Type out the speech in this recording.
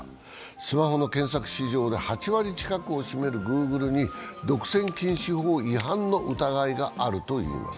スマホの検索市場で８割近くを占めるＧｏｏｇｌｅに独占禁止法違反の疑いがあるといいます。